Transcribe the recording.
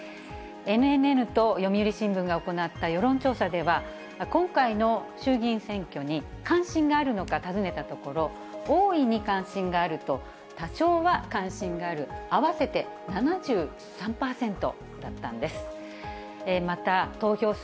ＮＮＮと読売新聞が行った世論調査では、今回の衆議院選挙に関心があるのか尋ねたところ、大いに関心があると、多少は関心がある、合わせて７３％だったんです。